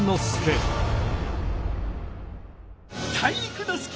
体育ノ介！